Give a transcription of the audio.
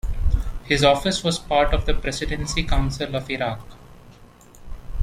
His office was part of the Presidency Council of Iraq.